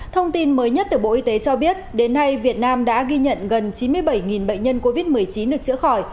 thông tin mới nhất từ bộ y tế cho biết đến nay việt nam đã ghi nhận gần chín mươi bảy bệnh nhân covid một mươi chín được chữa khỏi